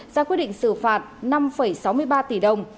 ra quyết định xử phạt năm sáu mươi ba tỷ đồng